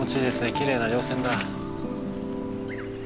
きれいな稜線だ。